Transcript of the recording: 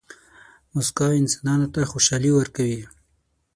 موسکا انسانانو ته خوشحالي ورکوي.